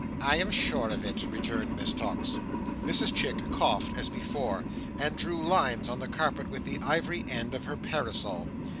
"I am sure of it," returned Miss Tox. Mrs Chick coughed as before, and drew lines on the carpet with the ivory end of her parasol.